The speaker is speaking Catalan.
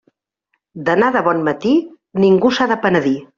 D'anar de bon matí, ningú s'ha de penedir.